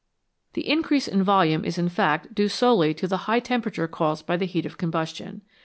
The increase in volume is in fact due solely to the high temperature caused by the heat of the combustion.